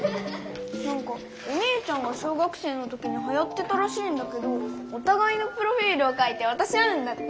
なんかお姉ちゃんが小学生の時にはやってたらしいんだけどおたがいのプロフィールを書いてわたし合うんだって。